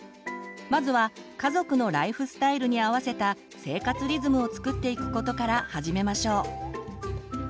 まずは家族のライフスタイルに合わせた生活リズムをつくっていくことから始めましょう。